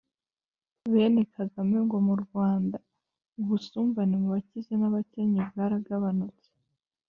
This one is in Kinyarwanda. Bene Kagame ngo mu Rwanda ubusumbane mubakize nabakennye bwaragabanutse.